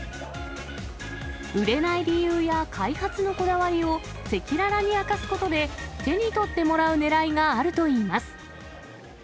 売れない理由や開発のこだわりを、赤裸々に明かすことで、手に取ってもらうねらいがあるといいます。